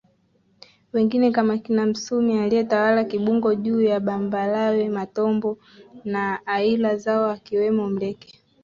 wengine kama kina Msumi aliyetawala Kibungo Juu Bambalawe matombo na aila zao akiwemo Mleke